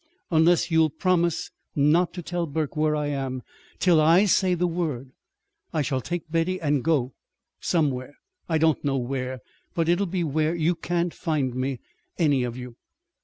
Unless you'll promise not to tell Burke where I am, till I say the word, I shall take Betty and go somewhere. I don't know where. But it'll be where you can't find me any of you."